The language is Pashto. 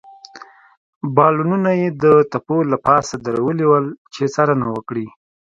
بالونونه يې د تپو له پاسه درولي ول، چې څارنه وکړي.